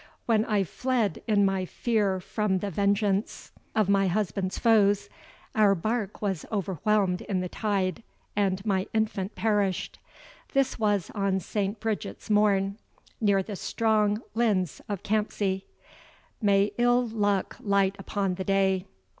When I fled in my fear from the vengeance of my husband's foes, our bark was overwhelmed in the tide, and my infant perished. This was on St. Bridget's morn, near the strong Lyns of Campsie. May ill luck light upon the day."